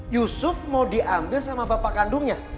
yusuf mau diambil sama bapak kandungnya